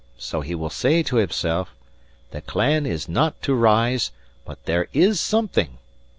So he will say to himsel', THE CLAN IS NOT TO RISE, BUT THERE IS SOMETHING.